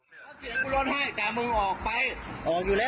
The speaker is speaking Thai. พี่น้องกลัวพันธุ์บริโรธเอกคนบริโรธเอกรู้ไหม